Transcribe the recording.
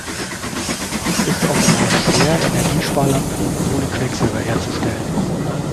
Es ist offenbar schwer, Energiesparlampen ohne Quecksilber herzustellen.